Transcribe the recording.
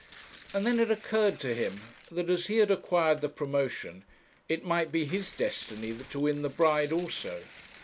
and then it occurred to him that as he had acquired the promotion it might be his destiny to win the bride also.